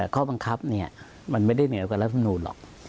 ข้อบังคับมันไม่ได้เหนือกับรัฐมนูลหรอก